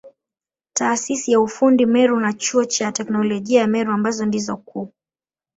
Taasisi ya ufundi Meru na Chuo cha Teknolojia ya Meru ambazo ndizo kuu.